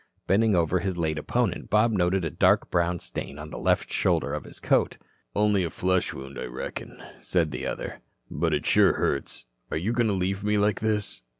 Bending over his late opponent, Bob noted a dark brown stain on the left shoulder of his coat. "Only a flesh wound, I reckon," said the other. "But it sure hurts. Are you going to leave me like this?"